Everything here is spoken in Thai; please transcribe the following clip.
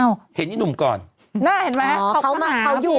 นั่นเห็นไหมเขามีตารางมั้ย